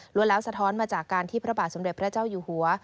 รวมแล้วสะท้อนมาจากการที่พระบาทสมเด็จพระเจ้าอยู่หัว